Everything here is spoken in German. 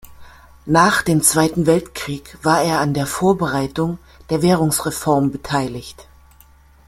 Nach dem Zweiten Weltkrieg war er an der Vorbereitung der Währungsreform beteiligt.